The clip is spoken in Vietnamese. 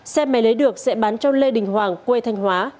xe máy lấy được sẽ bán cho lê đình hoàng quê thanh hóa